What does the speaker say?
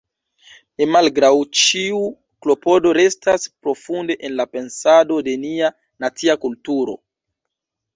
Mi malgraŭ ĉiu klopodo restas profunde en la pensado de nia nacia kulturo.